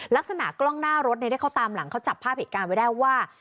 ลักษณะกล้องหน้ารถที่เขาตามหลังเขาจับภาพเหตุการณ์ไว้ได้ว่า